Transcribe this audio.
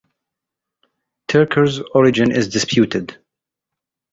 Tyrker's origin is disputed.